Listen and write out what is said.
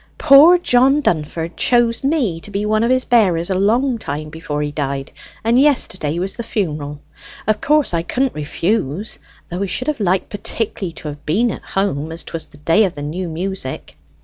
Poor John Dunford chose me to be one of his bearers a long time before he died, and yesterday was the funeral. Of course I couldn't refuse, though I should have liked particularly to have been at home as 'twas the day of the new music."